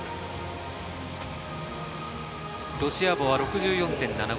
ロシアーボは６４．７５。